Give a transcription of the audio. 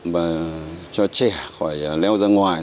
và cho trẻ khỏi leo ra ngoài